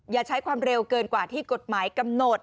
อย่าใช้ความเร็วเกินกว่าที่กฎหมายกำหนด